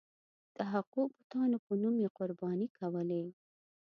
د هغو بتانو په نوم یې قرباني کولې.